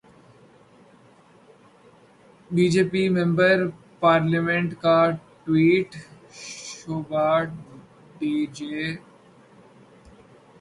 be J P member parliament کا tweet, Shobha De ji, اپنی خوبصورتی پر نہ کریں اتنا ناز